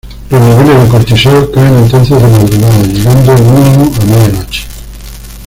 Los niveles de cortisol caen entonces de madrugada, llegando al mínimo a media noche.